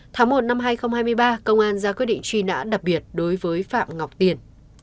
tháng một năm hai nghìn hai mươi ba công an ra quyết định truy nã đặc biệt đối với phạm ngọc tiền